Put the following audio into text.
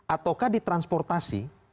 ataukah di transportasi